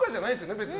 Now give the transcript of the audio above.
別に。